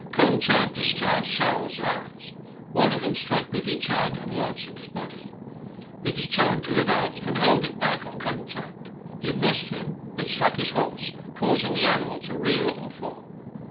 Karm Chand discharged showers of arrows. One of them struck Bidhi Chand and lodged in his body. Bidhi Chand drew it out and hurled it back on Karm Chand. It missed him, but struck his horse, causing the animal to reel and fall.